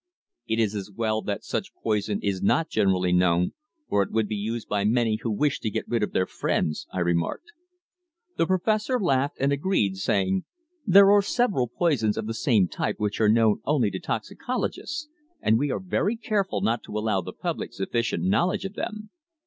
"It is as well that such poison is not generally known, or it would be used by many who wished to get rid of their friends," I remarked. The Professor laughed, and agreed, saying: "There are several poisons of the same type which are known only to toxicologists, and we are very careful not to allow the public sufficient knowledge of them.